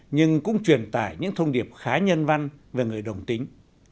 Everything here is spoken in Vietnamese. nhưng cũng truyền tải những thông điệp khá nhân văn về người đồng tính